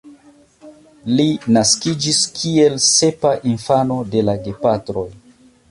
Li naskiĝis kiel sepa infano de la gepatroj.